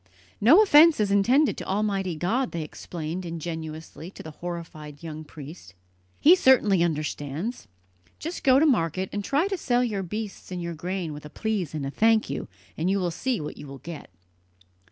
"No offence is intended to Almighty God," they explained ingenuously to the horrified young priest. "He certainly understands. Just go to market, and try to sell your beasts and your grain with a 'please' and a 'thank you,' and you will see what you will get!"